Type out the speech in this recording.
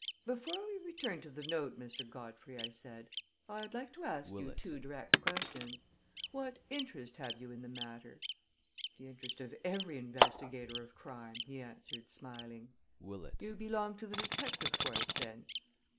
"Before we return to the note, Mr. Godfrey," I said, "I'd like to ask you two direct questions. What interest have you in the matter?" "The interest of every investigator of crime," he answered, smiling. "You belong to the detective force, then?"